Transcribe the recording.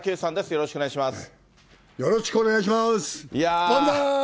よろしくお願いします。